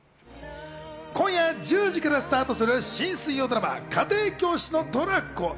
今夜１０時からスタートする新水曜ドラマ『家庭教師のトラコ』。